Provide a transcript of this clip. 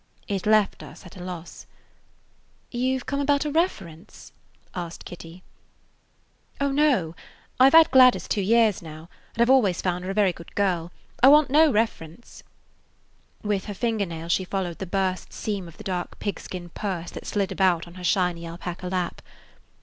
It left us at a loss. "You 've come about a reference?" asked Kitty. "Oh, no. I 've had Gladys two years now, and I 've always found her a very good girl. I want no reference." With [Page 19] her finger nail she followed the burst seam of the dark pigskin purse that slid about on her shiny alpaca lap.